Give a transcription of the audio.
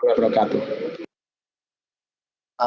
assalamualaikum warahmatullahi wabarakatuh